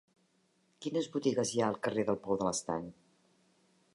Quines botigues hi ha al carrer del Pou de l'Estany?